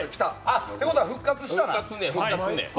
あっ、ってことは復活したな！